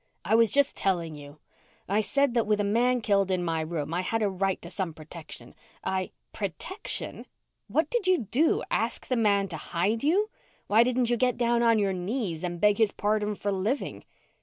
"I was just telling you. I said that with a man killed in my room I had a right to some protection. I " "Protection! What did you do? Ask the man to hide you? Why didn't you get down on your knees and beg his pardon for living?"